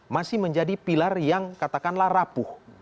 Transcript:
masih menjadi pilar yang katakanlah rapuh